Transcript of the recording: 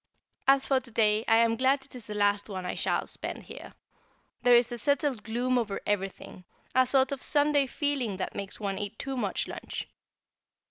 As for to day, I am glad it is the last one I shall spend here. There is a settled gloom over everything, a sort of Sunday feeling that makes one eat too much lunch.